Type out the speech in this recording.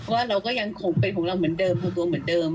ว่าเราก็ยังคงเป็นของเราเหมือนเดิมทำตัวเหมือนเดิม